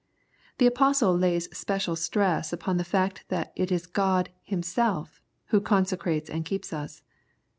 The Apostle lays special stress upon the fact that it is God '' Himself " Who con secrates and keeps us.